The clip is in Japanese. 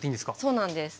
そうなんです。